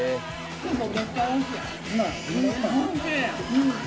うん。